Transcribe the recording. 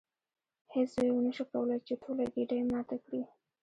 هیڅ زوی ونشو کولی چې ټوله ګېډۍ ماته کړي.